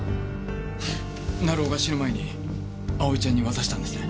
成尾が死ぬ前に蒼ちゃんに渡したんですね？